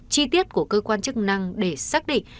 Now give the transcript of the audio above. chi tiết của cơ quan chức năng để xác định